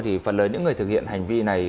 thì phần lớn những người thực hiện hành vi này